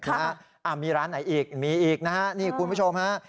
อ่ามีร้านไหนอีกมีอีกนะฮะนี่คุณผู้ชมฮะ